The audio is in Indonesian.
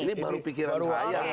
ini baru pikiran saya